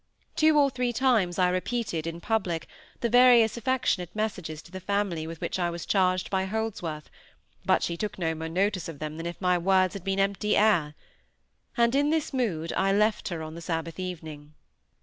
Two or three times I repeated, in public, the various affectionate messages to the family with which I was charged by Holdsworth; but she took no more notice of them than if my words had been empty air. And in this mood I left her on the Sabbath evening.